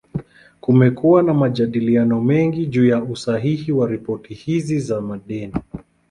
Kumekuwa na majadiliano mengi juu ya usahihi wa ripoti hizi za madeni.